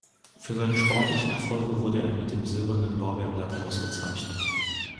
Für seine sportlichen Erfolge wurde er mit dem Silbernen Lorbeerblatt ausgezeichnet.